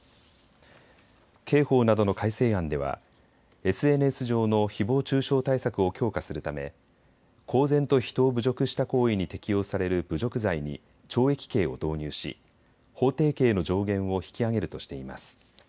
刑法などの改正案ではＳＮＳ上のひぼう中傷対策を強化するため公然と人を侮辱した行為に適用される侮辱罪に懲役刑を導入し法定刑の上限を引き上げるとしています。